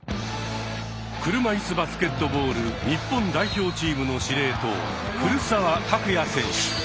車いすバスケットボール日本代表チームの司令塔古澤拓也選手。